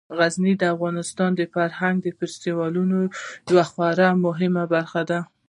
غزني د افغانستان د فرهنګي فستیوالونو یوه خورا مهمه برخه ده.